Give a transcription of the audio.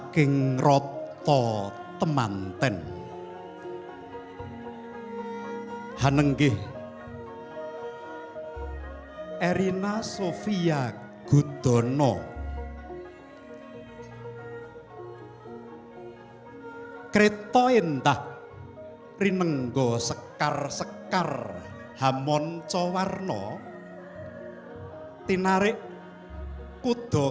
kita akan simak bersama sama ya